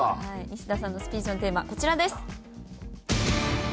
西田さんのスピーチのテーマこちらです。